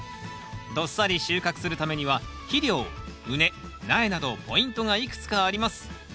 どっさり収穫するためには肥料畝苗などポイントがいくつかあります。